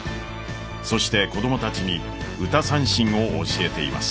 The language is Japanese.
そして子供たちに唄三線を教えています。